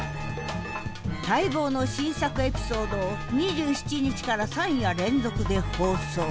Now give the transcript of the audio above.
待望の新作エピソードを２７日から３夜連続で放送。